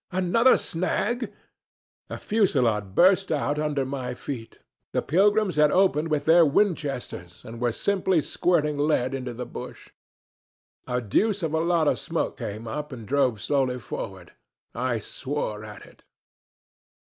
Another snag! A fusillade burst out under my feet. The pilgrims had opened with their Winchesters, and were simply squirting lead into that bush. A deuce of a lot of smoke came up and drove slowly forward. I swore at it.